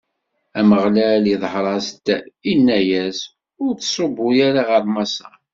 Ameɣlal iḍher-as-d, inna-as: Ur ttṣubbu ara ɣer Maṣer.